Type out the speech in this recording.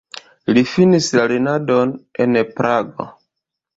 Li finis la lernadon en Prago.